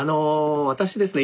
私ですね